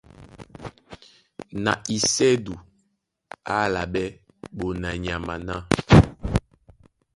Na isɛ́du á álaɓɛ́ ɓonanyama ná: